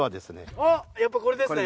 あっやっぱこれですね。